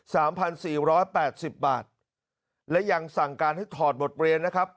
สามพันสี่ร้อยแปดสิบบาทและยังสั่งการให้ถอดบทเรียนนะครับ